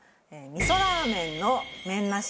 味噌ラーメンの麺なし？